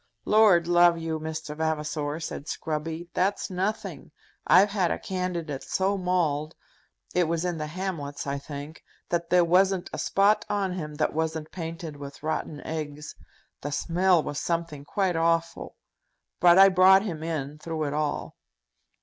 "Lord love you, Mr. Vavasor," said Scruby, "that's nothing! I've had a candidate so mauled, it was in the Hamlets, I think, that there wasn't a spot on him that wasn't painted with rotten eggs. The smell was something quite awful. But I brought him in, through it all."